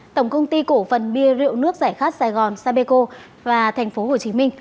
tổng công ty cổ phần bia rượu nước giải khát sài gòn sapeco và tp hcm